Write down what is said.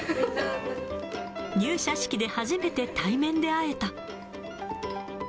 入社式で初めて対面で会えた。